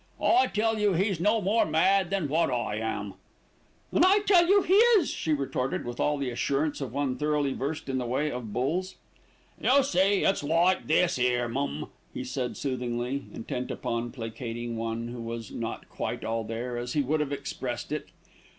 "I tell you he's no more mad than what I am." "And I tell you he is," she retorted, with all the assurance of one thoroughly versed in the ways of bulls. "You see, it's like this here, mum," he said soothingly, intent upon placating one who was not "quite all there," as he would have expressed it.